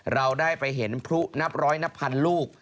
เราได้ไปเห็นพลุนับร้อยนับพันลูก